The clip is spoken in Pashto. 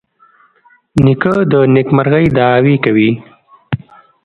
نیکه د نیکمرغۍ دعاوې کوي.